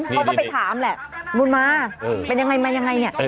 เขาก็ไปถามแหละบุญมาศรีเป็นอย่างไรมาอย่างไรเนี่ย